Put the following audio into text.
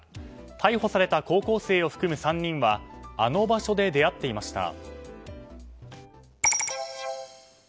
逮捕された高校生を含む３人はあの場所で出会っていました。